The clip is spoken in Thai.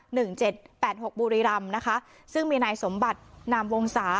หนึ่งเจ็ดแปดหกบุรีรำนะคะซึ่งมีนายสมบัตินามวงศา